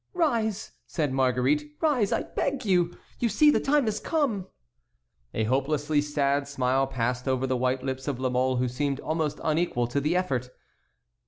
"Rise," said Marguerite, "rise, I beg you! You see the time has come." A hopelessly sad smile passed over the white lips of La Mole, who seemed almost unequal to the effort.